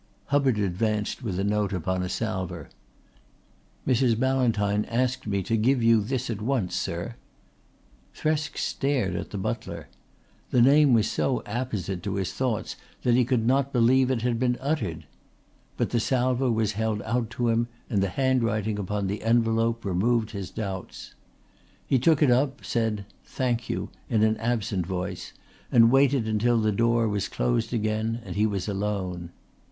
Hubbard advanced with a note upon a salver. "Mrs. Ballantyne asked me to give you this at once, sir." Thresk stared at the butler. The name was so apposite to his thoughts that he could not believe it had been uttered. But the salver was held out to him and the handwriting upon the envelope removed his doubts. He took it up, said "Thank you" in an absent voice and waited until the door was closed again and he was alone.